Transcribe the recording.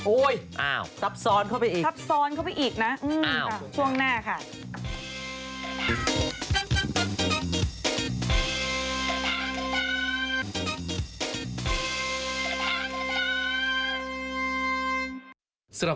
โอ้ยตับซ้อนเข้าไปอีกตับซ้อนเข้าไปอีกนะ